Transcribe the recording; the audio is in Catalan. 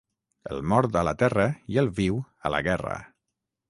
El mort a la terra i el viu a la guerra.